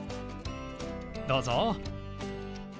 どうぞ。